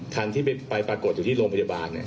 คันที่ไปปรากฏอยู่ที่โรงพยาบาล